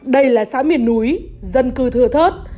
đây là xã miền núi dân cư thừa thớt